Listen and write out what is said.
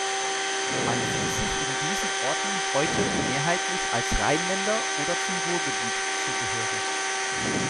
Man sieht sich in diesen Orten heute mehrheitlich als Rheinländer oder zum Ruhrgebiet zugehörig.